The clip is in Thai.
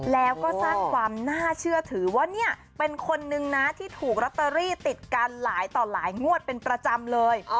แล้วก็สร้างความน่าเชื่อถือว่าเนี่ยเป็นคนนึงนะที่ถูกลอตเตอรี่ติดกันหลายต่อหลายงวดเป็นประจำเลย